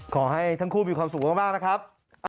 ขอให้ทั้งคู่มีความสุขมากนะครับ